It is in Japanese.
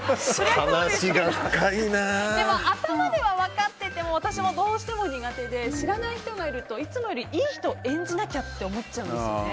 でも頭では分かってても私もどうしても苦手で知らない人がいるといつもよりいい人を演じなきゃって思っちゃうんですよね。